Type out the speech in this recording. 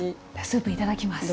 スープいただきます。